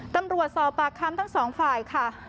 ตำรวจสอบปากคำทั้งสองฝ่ายค่ะ